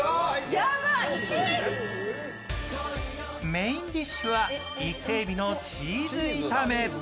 メインディッシュはイセエビのチーズ炒め。